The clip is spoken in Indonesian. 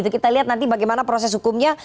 kita lihat nanti bagaimana proses hukumnya